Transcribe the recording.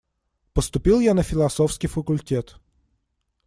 Поступил я на философский факультет.